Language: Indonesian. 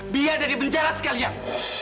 biar dia di penjara sekarang